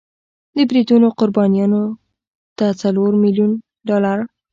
د بریدونو قربانیانو ته څلور میلیون ډالر